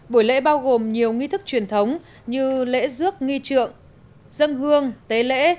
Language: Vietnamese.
buổi lễ bao gồm nhiều nghi thức truyền thống như lễ dước nghi trượng dân hương tế lễ